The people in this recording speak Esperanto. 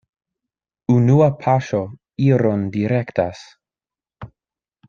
Unua paŝo iron direktas.